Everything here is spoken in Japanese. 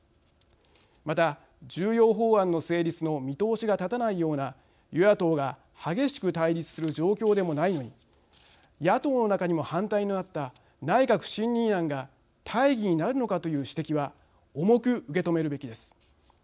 また、重要法案の成立の見通しが立たないような与野党が激しく対立する状況でもないのに野党の中にも反対のあった内閣不信任案が大義になるのかという指摘は重く受け止めるべきです。